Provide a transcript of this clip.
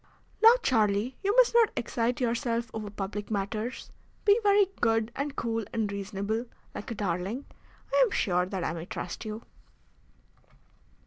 "Now, Charlie, you must not excite yourself over public matters. Be very good and cool and reasonable, like a darling. I am sure that I may trust you."